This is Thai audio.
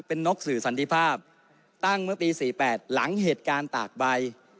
เป็นนกสื่อสันติภาพตั้งเมื่อปี๔๘หลังเหตุการณ์ตากใบ